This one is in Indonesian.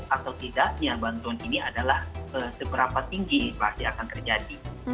atau tidaknya bantuan ini adalah seberapa tinggi inflasi akan terjadi